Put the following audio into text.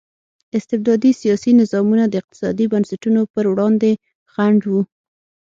استبدادي سیاسي نظامونه د اقتصادي بنسټونو پر وړاندې خنډ وو.